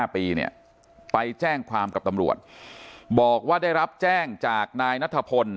ไปแจ้งความกับตำรวจบอกว่าได้รับแจ้งจากนายนัทพล